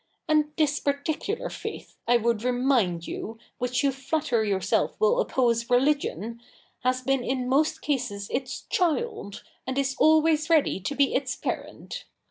And this particular faith, I would remind you, which you flatter yourself will oppose religion, has been in most cases its child, and is always ready to be its parent.